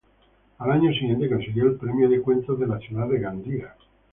Al año siguiente consiguió el premio de cuentos de la Ciudad de Gandía.